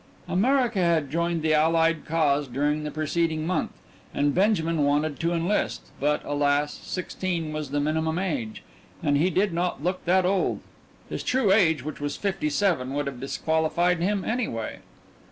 America had joined the Allied cause during the preceding month, and Benjamin wanted to enlist, but, alas, sixteen was the minimum age, and he did not look that old. His true age, which was fifty seven, would have disqualified him, anyway.